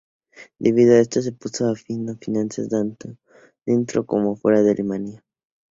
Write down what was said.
Debido a esto, se puso fin a alianzas tanto dentro como fuera de Alemania.